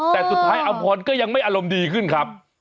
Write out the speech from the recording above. แต่สุดท้ายอำพรก็ยังไม่อารมณ์ดีขึ้นครับ